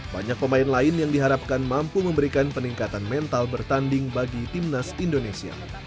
banyak pemain lain yang diharapkan mampu memberikan peningkatan mental bertanding bagi timnas indonesia